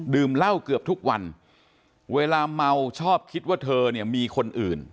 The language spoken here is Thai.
เหล้าเกือบทุกวันเวลาเมาชอบคิดว่าเธอเนี่ยมีคนอื่น